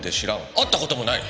会った事もない。